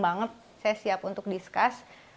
banget saya siap untuk discuss